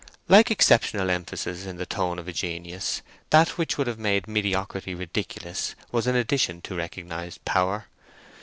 Like exceptional emphasis in the tone of a genius, that which would have made mediocrity ridiculous was an addition to recognised power.